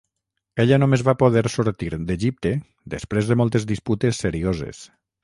Ella només va poder sortir d'Egipte després de moltes disputes serioses.